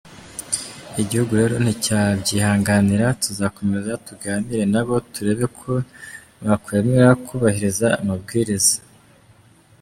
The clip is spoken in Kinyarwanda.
Igihugu rero nticyabyihanganira, tuzakomeza tuganire nabo turebe ko bakwemera kubahiriza amabwiriza.